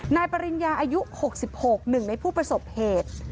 นายปริญญาอายุ๖๖หนึ่งในผู้ประสบเหตุ